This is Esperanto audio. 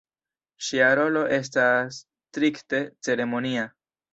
Ŝia rolo estas strikte ceremonia.